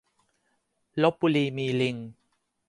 ลพบุรีมีลิง !